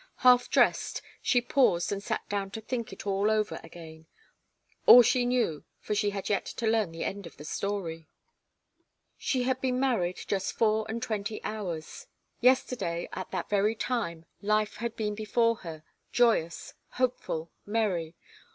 Half dressed, she paused and sat down to think it all over again all she knew, for she had yet to learn the end of the story. She had been married just four and twenty hours. Yesterday, at that very time, life had been before her, joyous, hopeful, merry.